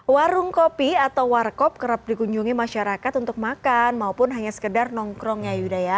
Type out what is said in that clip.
warung kopi atau warkop kerap dikunjungi masyarakat untuk makan maupun hanya sekedar nongkrong ya yuda ya